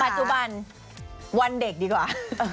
จุบันวันเด็กดีกว่า